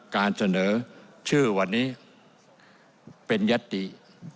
การเสนอชื่อวันนี้เป็นยัตติ